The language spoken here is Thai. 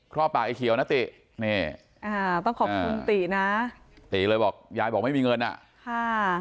รอบปากไอ้เขียวนะตินี่อ่าต้องขอบคุณตินะตีเลยบอกยายบอกไม่มีเงินอ่ะค่ะ